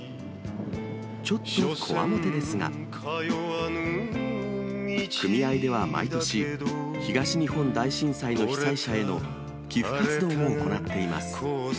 ちょっとこわもてですが、組合では毎年、東日本大震災の被災者への寄付活動も行っています。